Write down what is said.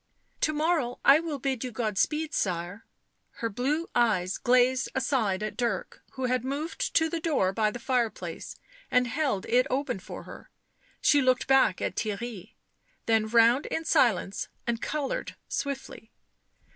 " To morrow I will bid you God speed, sirs:" her blue eyes glanced aside at Dirk, who had moved to the door by the fire place, and held it open for her ; she looked back at Theirry, then round in silence and coloured swiftly.